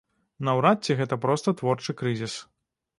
Наўрад ці гэта проста творчы крызіс.